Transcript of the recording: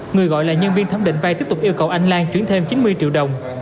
người gọi là nhân viên thẩm định vay tiếp tục yêu cầu anh lan chuyển thêm chín mươi triệu đồng